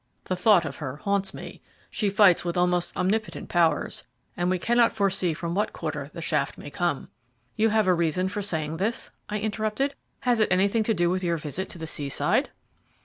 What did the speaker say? The thought of her haunts me; she fights with almost omnipotent powers, and we cannot foresee from what quarter the shaft may come." "You have a reason for saying this?" I interrupted. "Has it anything to do with your visit to the seaside?"